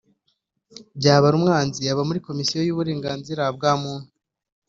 Byabarumwanzi aba muri Komisiyo y’uburenganzira bwa muntu